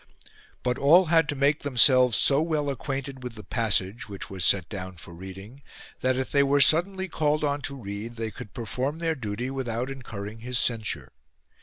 But all had to make themselves so well acquainted with the passage, which was set down for reading, that if they were suddenly called on to read they could perform their duty without incurring his censure.